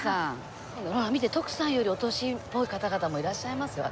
見て徳さんよりお年多い方々もいらっしゃいますよ。